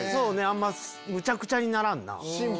あんまむちゃくちゃにならんな。